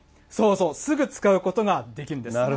すぐ使うことができるんです。